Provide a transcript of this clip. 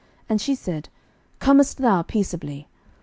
And she said, Comest thou peaceably?